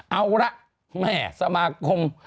เอาละแม่สมาคม